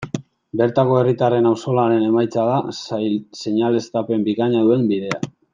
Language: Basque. Bertako herritarren auzolanaren emaitza da seinaleztapen bikaina duen bidea.